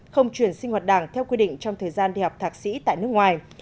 không chuyển sinh hoạt đảng theo quy định trong thời gian đi học thạc sĩ tại nước ngoài